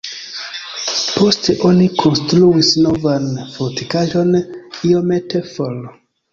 Poste oni konstruis novan fortikaĵon iomete for.